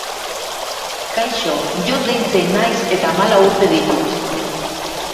kaixo, Jon deitzen naiz eta hamalau urte ditut.